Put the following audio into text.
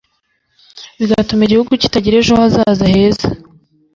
bigatuma igihugu kitagira ejo hazaza heza